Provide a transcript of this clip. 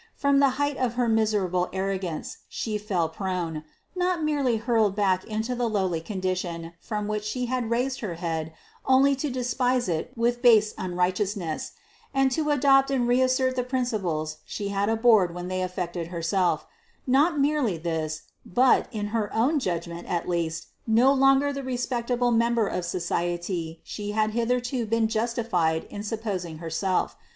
From the height of her miserable arrogance she fell prone not merely hurled back into the lowly condition from which she had raised her head only to despise it with base unrighteousness, and to adopt and reassert the principles she had abhorred when they affected herself not merely this, but, in her own judgment at least, no longer the respectable member of society she had hitherto been justified in supposing herself.